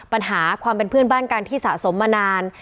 ปัญหาความเป็นเพื่อนบ้านกันที่สะสมมานาน